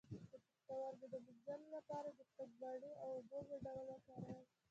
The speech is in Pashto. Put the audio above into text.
د پښتورګو د مینځلو لپاره د هندواڼې او اوبو ګډول وکاروئ